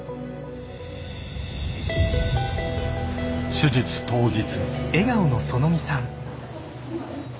手術当日。